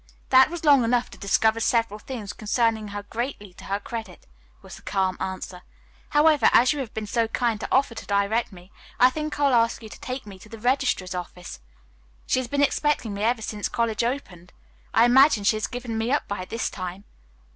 "That was long enough to discover several things concerning her greatly to her credit," was the calm answer. "However, as you have been so kind as to offer to direct me, I think I will ask you to take me to the registrar's office. She has been expecting me ever since college opened. I imagine she has given me up by this time."